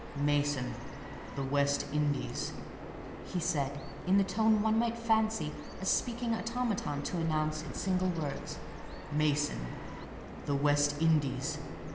"Mason!—the West Indies!" he said, in the tone one might fancy a speaking automaton to enounce its single words; "Mason!—the West Indies!"